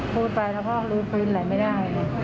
พูดไปเราก็รู้พื้นอะไรไม่ได้